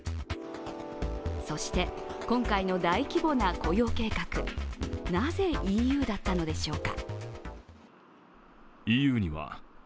そして、今回の大規模な雇用計画、なぜＥＵだったのでしょうか。